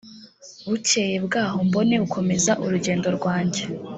bukeye bwaho mbone gukomeza urugendo rwanjye